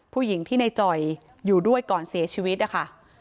ผู้หญิงที่ในจ่อยอยู่ด้วยก่อนเสียชีวิตนะคะ